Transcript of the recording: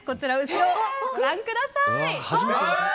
後ろをご覧ください。